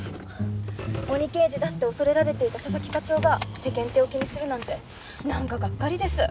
鬼刑事だって恐れられていた佐々木課長が世間体を気にするなんてなんかがっかりです。